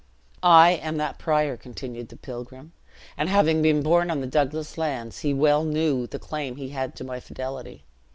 'I am that prior,' continued the pilgrim; 'and having been born on the Douglas lands, he well knew the claim he had to my fidelity.